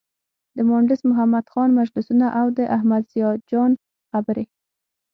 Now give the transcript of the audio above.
د مانډس محمد خان مجلسونه او د احمد ضیا جان خبرې.